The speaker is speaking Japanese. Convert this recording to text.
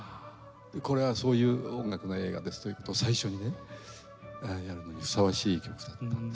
これはそういう音楽の映画ですという事を最初にねやるのにふさわしい曲だったんですね。